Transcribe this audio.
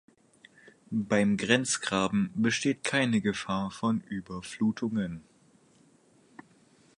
Beim Grenzgraben besteht keine Gefahr von Überflutungen.